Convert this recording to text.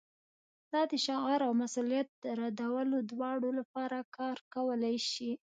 دا د شعار او مسؤلیت ردولو دواړو لپاره کار کولی شي